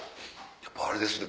やっぱあれですね